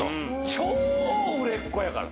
超売れっ子やから。